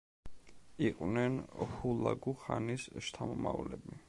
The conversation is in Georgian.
იყვნენ ჰულაგუ-ხანის შთამომავლები.